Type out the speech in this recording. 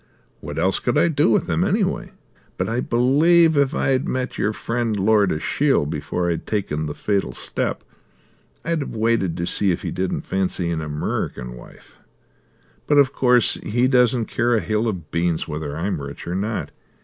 What else could I do with them anyway? But I believe if I'd met your friend, Lord Ashiel, before I'd taken the fatal step, I'd have waited to see if he didn't fancy an Amurrican wife. But of course he doesn't care a hill of beans whether I'm rich or not.